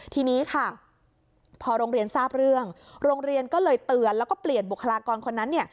ทีนี้ค่ะพอโรงเรียนทราบเรื่องโรงเรียนก็เลยเตือนแล้วก็เปลี่ยนบุคลากรคนนั้น